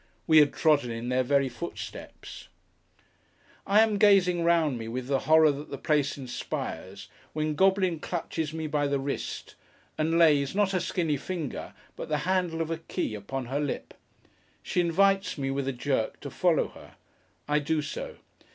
We had trodden in their very footsteps. I am gazing round me, with the horror that the place inspires, when Goblin clutches me by the wrist, and lays, not her skinny finger, but the handle of a key, upon her lip. She invites me, with a jerk, to follow her. I do so.